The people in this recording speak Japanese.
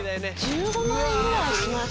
１５万円ぐらいしました。